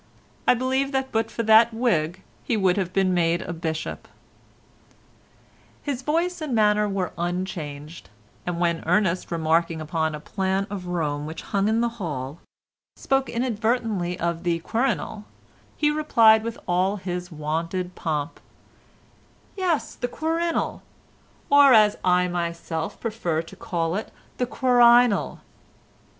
I believe that but for that wig he would have been made a bishop. His voice and manner were unchanged, and when Ernest remarking upon a plan of Rome which hung in the hall, spoke inadvertently of the Quirinal, he replied with all his wonted pomp: "Yes, the QuirInal—or as I myself prefer to call it, the QuirInal."